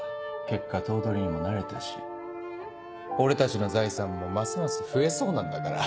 結果頭取にもなれたし俺たちの財産もますます増えそうなんだから。